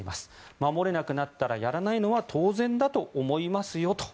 守れなくなったらやらないのは当然だと思いますよと。